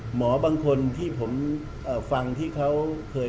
บางคนที่ผมฟังที่เขาเคย